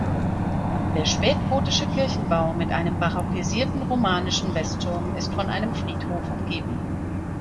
Der spätgotische Kirchenbau mit einem barockisierten romanischen Westturm ist von einem Friedhof umgeben.